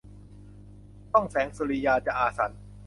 ต้องแสงสุริยาจะอาสัญ